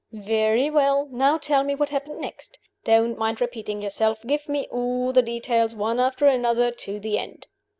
"Very well. Now tell me what happened next. Don't mind repeating yourself. Give me all the details, one after another, to the end."